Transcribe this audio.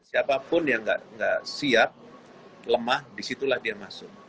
siapapun yang nggak siap lemah disitulah dia masuk